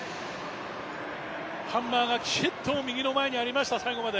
ハンマーがきちっと右の前にありました、最後まで。